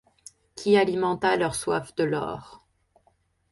Qui alimenta leur soif de l’or.